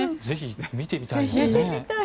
ぜひ見てみたいですね。